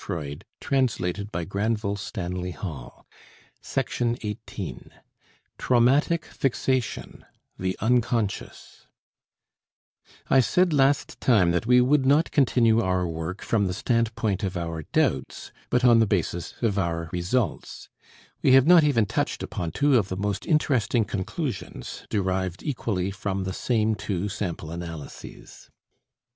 EIGHTEENTH LECTURE GENERAL THEORY OF THE NEUROSES Traumatic Fixation The Unconscious I said last time that we would not continue our work from the standpoint of our doubts, but on the basis of our results. We have not even touched upon two of the most interesting conclusions, derived equally from the same two sample analyses.